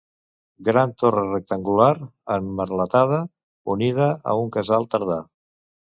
Gran torre rectangular, emmerletada, unida a un casal tardà.